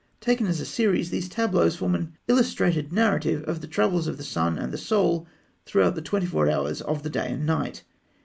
Taken as a series, these tableaux form an illustrated narrative of the travels of the sun and the Soul throughout the twenty four hours of the day and night.